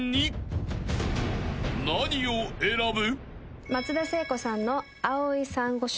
［何を選ぶ？］